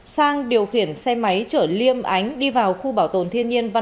sang điều khiển xe máy chở liêm ánh đi vào khu bảo tồn thiên nhiên văn